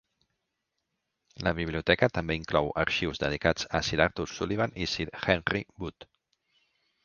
La biblioteca també inclou arxius dedicats a Sir Arthur Sullivan i Sir Henry Wood.